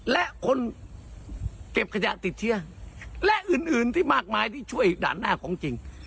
และคนเก็บขยะติดเชื้อและอื่นอื่นที่มากมายที่ช่วยด่านหน้าของจริง